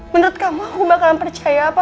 menurut kamu aku bakalan percaya apa